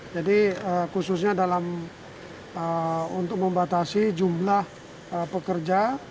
jadi khususnya untuk membatasi jumlah pekerja